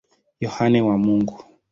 Yohane wa Mungu.